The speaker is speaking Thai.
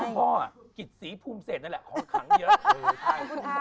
ไม่ต้องคุณพ่อกิจสีพุ่งเศรษฐ์นั่นแหละของขังเยอะ